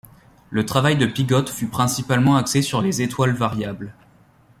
Le travail de Pigott fut principalement axé sur les étoiles variables.